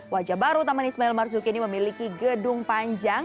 wajah baru taman ismail marzuki ini memiliki gedung panjang